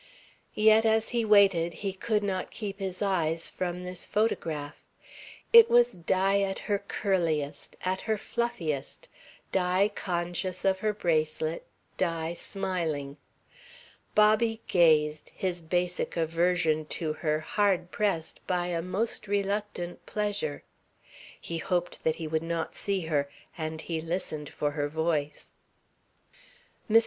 Yet, as he waited, he could not keep his eyes from this photograph. It was Di at her curliest, at her fluffiest, Di conscious of her bracelet, Di smiling. Bobby gazed, his basic aversion to her hard pressed by a most reluctant pleasure. He hoped that he would not see her, and he listened for her voice. Mr.